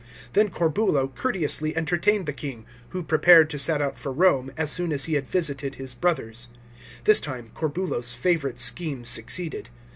Then Corbulo courteously entertained the king, who prepared to set out for Rome, as soon as he had visited his brothers. This time, Corbulo's favourite scheme succeeded.